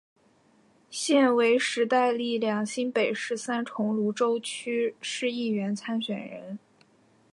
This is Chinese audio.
现为时代力量新北市三重芦洲区市议员参选人。